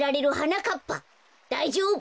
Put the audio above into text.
だいじょうぶ！